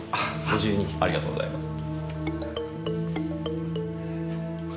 ありがとうございます。